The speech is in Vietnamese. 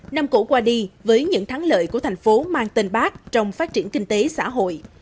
năm cũ qua đi với những thắng lợi của thành phố mang tên bác trong phát triển kinh tế xã hội